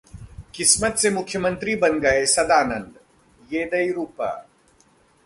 किस्मत से मुख्यमंत्री बन गए सदानंद: येदियुरप्पा